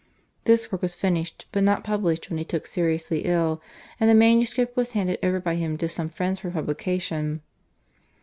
This work was finished but not published when he took seriously ill, and the manuscript was handed over by him to some friends for publication.